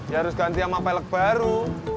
ya harus ganti sama pelak baru